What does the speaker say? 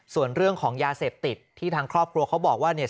ส่วนเรื่องของยาเสพติดที่ทางครอบครัวเขาบอกว่าเนี่ย